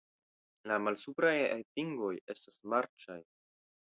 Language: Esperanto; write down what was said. La malsupraj atingoj estas marĉaj.